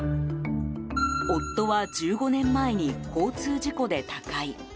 夫は１５年前に交通事故で他界。